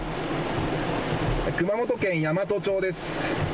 熊本県山都町です。